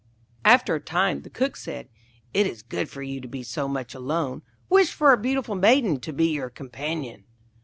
After a time the Cook said, 'It is not good for you to be so much alone; wish for a beautiful Maiden to be your companion.'